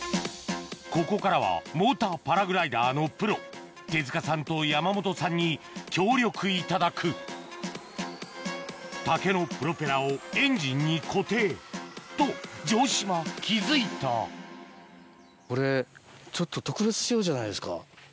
ここからはモーターパラグライダーのプロ手塚さんと山本さんに協力いただく竹のプロペラをエンジンに固定と城島気付いたこれちょっと。